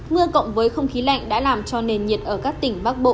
mưa cộng với không khí lạnh đã làm cho nền nhiệt ở các tỉnh bắc bộ